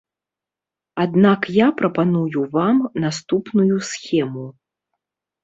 Аднак я прапаную вам наступную схему.